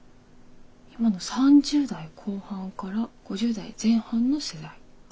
今の３０代後半から５０代前半の世代。